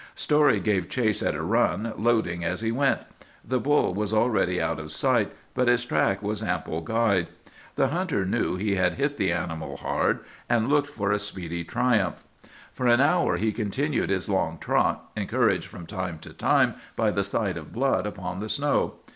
"Story gave chase at a run, loading as he went. The bull was already out of sight, but his track was ample guide. The hunter knew he had hit the animal hard, and looked for a speedy triumph. "For an hour he continued his long trot, encouraged from time to time by the sight of blood upon the snow.